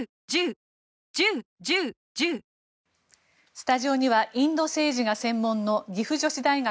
スタジオにはインド政治が専門の岐阜女子大学